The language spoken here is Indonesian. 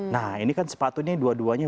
nah ini kan sepatunya dua duanya